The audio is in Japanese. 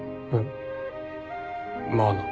まあな。